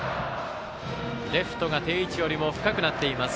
レフトが定位置より深くなっています。